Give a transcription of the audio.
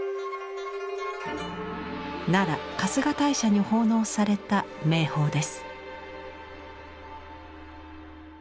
奈良春日大社に奉納された名宝です。